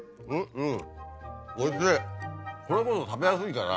うん！